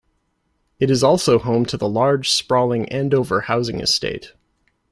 It is also home to the large, sprawling Andover housing estate.